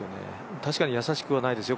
確かに易しくはないですよ